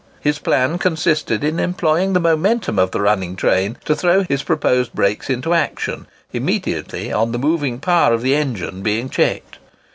His plan consisted in employing the momentum of the running train to throw his proposed brakes into action, immediately on the moving power of the engine being checked.